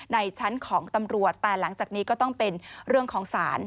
ในชั้นของตำรวจแต่หลังจากนี้ก็ต้องเป็นเรื่องของศาล